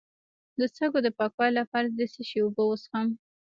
د سږو د پاکوالي لپاره د څه شي اوبه وڅښم؟